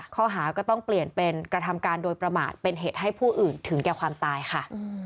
ข้อหาก็ต้องเปลี่ยนเป็นกระทำการโดยประมาทเป็นเหตุให้ผู้อื่นถึงแก่ความตายค่ะ